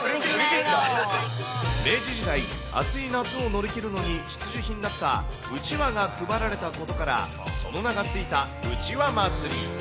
明治時代、暑い夏を乗り切るのに必需品だったうちわが配られたことから、その名がついたうちわ祭り。